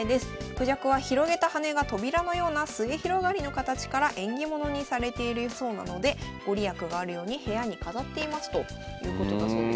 クジャクは広げた羽が扉のような末広がりの形から縁起物にされているそうなので御利益があるように部屋に飾っていますということだそうです。